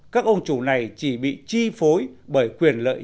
các ông chủ này chỉ bị chi phối bởi quyền lợi